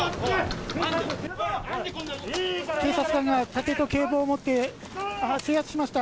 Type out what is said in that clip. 警察官が盾と警棒を持って制圧しました。